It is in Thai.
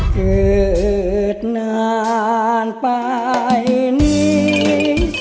เกิดนานไปนี้